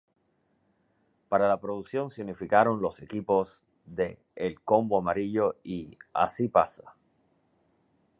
Para la producción se unificaron los equipos de "El Combo Amarillo" y "¡Así Pasa!".